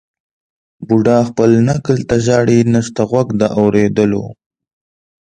بوډا خپل نکل ته ژاړي نسته غوږ د اورېدلو